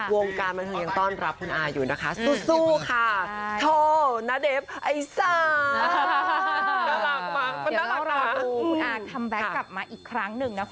วงการบันเทิงยังต้อนรับคุณอาอยู่นะคะสู้ค่ะ